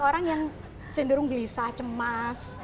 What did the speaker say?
orang yang cenderung gelisah cemas